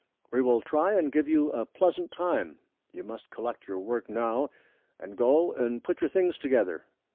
We will try and give you a pleasant time. You must collect your work now and go and put your things together.